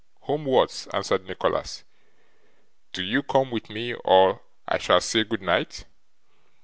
'Homewards,' answered Nicholas. 'Do you come with me, or I shall say good night?